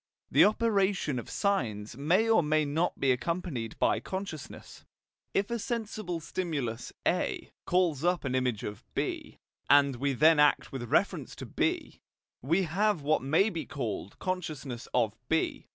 The operation of signs may or may not be accompanied by consciousness. If a sensible stimulus A calls up an image of B, and we then act with reference to B, we have what may be called consciousness of B.